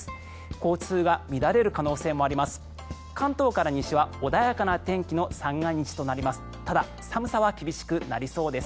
交通は乱れる可能性もあります。